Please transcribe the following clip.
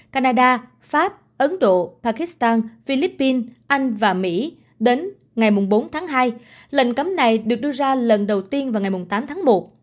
canada pháp ấn độ pakistan philippines anh và mỹ đến ngày bốn tháng hai lệnh cấm này được đưa ra lần đầu tiên vào ngày tám tháng một